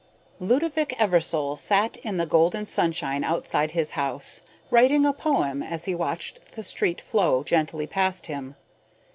Ludovick Eversole sat in the golden sunshine outside his house, writing a poem as he watched the street flow gently past him.